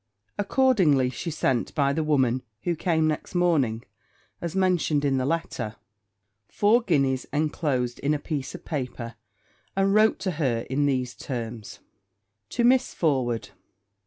Accordingly, she sent by the woman who came next morning, as mentioned in the letter, four guineas, inclosed in a piece of paper, and wrote to her in these terms. 'To Miss Forward.